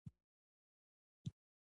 آیا د ایران فوټبال ټیم قوي نه دی؟